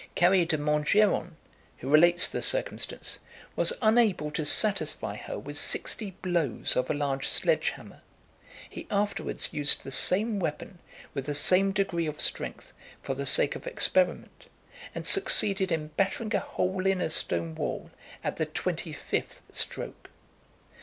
Carré de Montgeron, who relates the circumstance, was unable to satisfy her with sixty blows of a large sledge hammer. He afterwards used the same weapon with the same degree of strength, for the sake of experiment, and succeeded in battering a hole in a stone wall at the twenty fifth stroke.